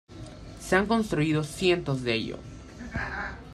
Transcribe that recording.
Se han construido cientos de ello.